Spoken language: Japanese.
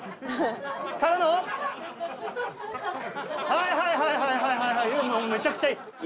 はいはいはいはいはいめちゃくちゃいい。